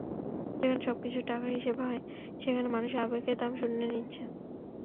যেখানে সবকিছু টাকার হিসাবে হয়, সেখানে মানুষের আবেগের দাম শূন্যের নিচে।